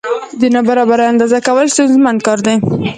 د نابرابرۍ اندازه کول ستونزمن کار دی.